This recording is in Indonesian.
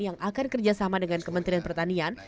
yang akan kerjasama dengan kementerian pertanian